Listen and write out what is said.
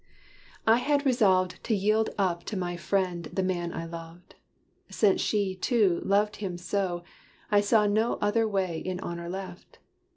I had resolved to yield up to my friend The man I loved. Since she, too, loved him so I saw no other way in honor left.